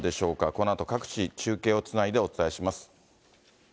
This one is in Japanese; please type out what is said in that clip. このあと、各地中継をつないでお伝えします。